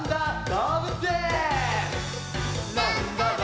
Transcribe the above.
どうぶつえん」